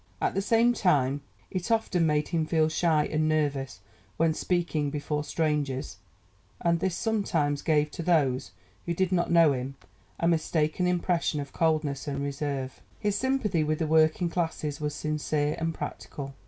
At the same time it often made him feel shy and nervous when speaking before strangers, and this sometimes gave to those who did not know him a mistaken impression of coldness and reserve. His sympathy with the working classes was sincere and practical.